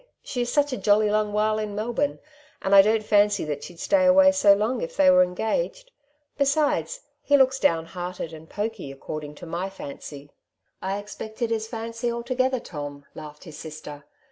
She is such a jolly long while in Melbourne, and I don't fancy that she'd stay away so long if they were engaged. Besides, he looks down hearted and pokey, according to my fancy." "I expect it is fancy altogether, Tom," laughed his sister.